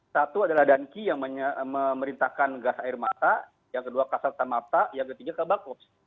satu adalah danki yang memerintahkan gas air mata yang kedua kasat tamapta yang ketiga kabakups